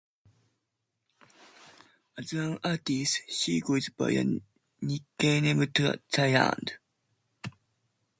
As an artist, she goes by the nickname Twirlyred.